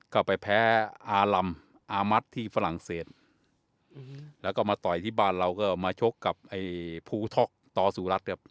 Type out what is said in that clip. ก็ไปแพ้อารัมอามัติที่ฝรั่งเศสแล้วก็มาต่อยที่บ้านเราก็มาชกกับไอ้ภูท็อกต่อสู่รัฐครับ